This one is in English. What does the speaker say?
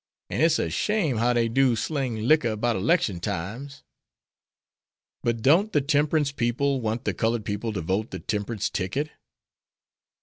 An' its a shame how dey do sling de licker 'bout 'lection times." "But don't the temperance people want the colored people to vote the temperance ticket?"